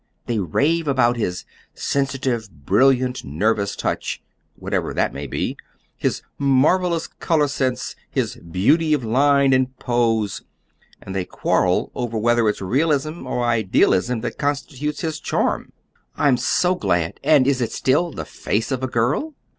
They rave about his 'sensitive, brilliant, nervous touch,' whatever that may be; his 'marvelous color sense'; his 'beauty of line and pose.' And they quarrel over whether it's realism or idealism that constitutes his charm." "I'm so glad! And is it still the 'Face of a Girl'?"